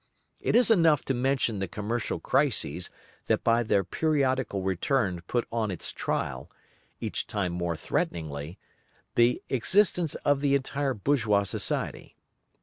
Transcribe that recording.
It is enough to mention the commercial crises that by their periodical return put on its trial, each time more threateningly, the existence of the entire bourgeois society.